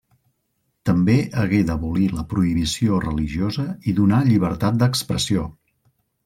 També hagué d'abolir la prohibició religiosa i donar llibertat d'expressió.